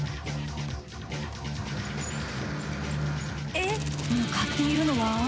すごい。向かっているのは。